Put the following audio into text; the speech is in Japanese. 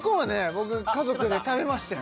僕家族で食べましたよ